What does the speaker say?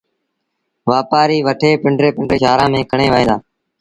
وآپآريٚ وٺي پنڊري پنڊري شآهرآݩ ميݩ کڻي وهيݩ دآ